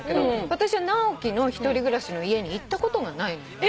私は直樹の１人暮らしの家に行ったことがないのね。